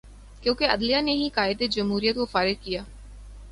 کیونکہ عدلیہ نے ہی قائد جمہوریت کو فارغ کیا۔